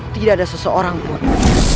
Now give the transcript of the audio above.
tidak ada seseorang pun